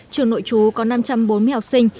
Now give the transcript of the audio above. trường nội trú có năm trăm bốn mươi học sinh